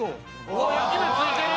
うわあ焼き目ついてる！